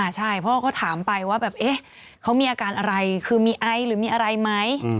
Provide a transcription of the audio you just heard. ใช่เพราะว่าเขาถามไปว่าแบบเขามีอาการอะไรคือมีไอหรือมีอะไรไหม